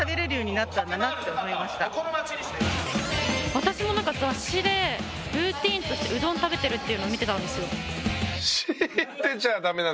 私も雑誌でルーティンとしてうどん食べてるっていうの見てたんですよ。